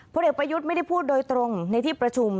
เด็กประยุทธ์ไม่ได้พูดโดยตรงในที่ประชุม